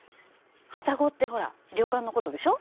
旅籠って旅館のことでしょ。